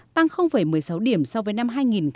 tăng một mươi sáu điểm so với năm hai nghìn một mươi